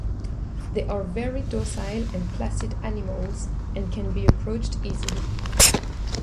They are very docile and placid animals and can be approached easily.